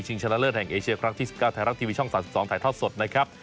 ชนะเลิศแห่งเอเชียครั้งที่๑๙ไทยรัฐทีวีช่อง๓๒ถ่ายทอดสดนะครับ